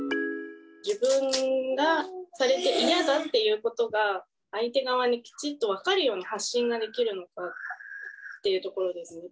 自分がされて嫌だっていうことが相手側にきちっと分かるように発信ができるのかっていうところですね。